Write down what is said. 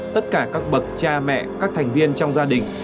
tất cả các bậc cha mẹ các thành viên trong gia đình